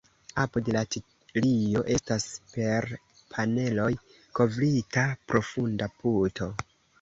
Apud la tilio estas per paneloj kovrita profunda puto.